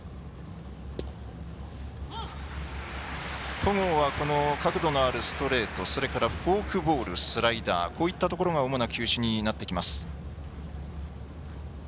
戸郷は角度のあるストレートフォークボール、スライダーこういったところが主な球種になっていきます。